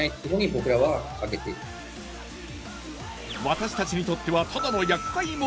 私たちにとってはただの厄介者。